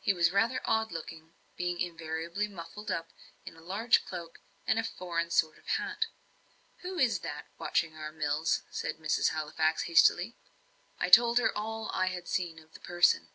He was rather odd looking, being invariably muffled up in a large cloak and a foreign sort of hat. "Who is that, watching our mills?" said Mrs. Halifax, hastily. I told her all I had seen of the person.